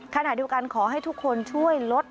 ขณะเดียวกันขอให้ทุกคนช่วยลด